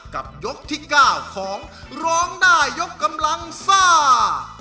ยกที่๙ของร้องได้ยกกำลังซ่า